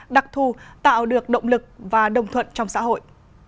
đặc thù tạo được động lực và đồng thuận trong xã hội